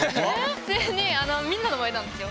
普通にみんなの前なんですよ。